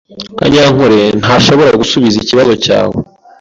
Kanyankore ntashobora gusubiza ikibazo cyawe.